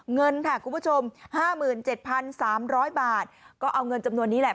เงินค่ะคุณผู้ชมห้าหมื่นเจ็ดพันสามร้อยบาทก็เอาเงินจำนวนนี้แหละ